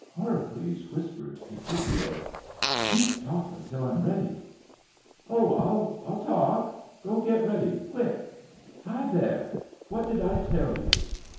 Horacles whispered to Scipio :—" Keep talking till I'm ready." "Oh, I'll talk. Go get ready quick, — High Bear, what I tell you